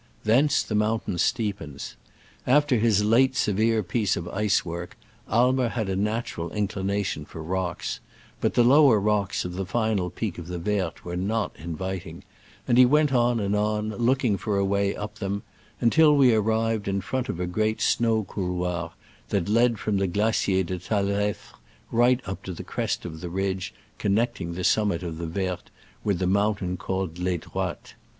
Thence the mountain steepens. After his late severe .piece of ice work, Aimer had a natural in clination for rocks ; but the lower rocks of the final peak of the Verte were not inviting, and he went on and on, looking for a way up them, until we arrived in front of a great snow couloir that led from the Glacier de Talefre right up to the crest of the ridge con necting the summit of the Verte with the moun tain called Les Droites.